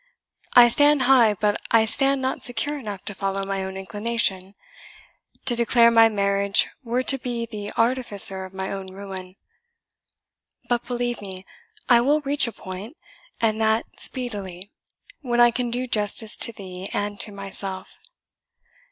I stand high, but I stand not secure enough to follow my own inclination. To declare my marriage were to be the artificer of my own ruin. But, believe me, I will reach a point, and that speedily, when I can do justice to thee and to myself.